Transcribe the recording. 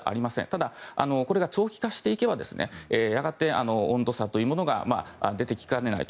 ただ、これが長期化していけばやがて温度差というものが出てきかねない。